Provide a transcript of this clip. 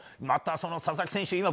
また佐々木選手